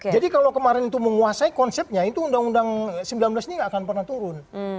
jadi kalau kemarin itu menguasai konsepnya itu undang undang sembilan belas ini nggak akan pernah tutup ya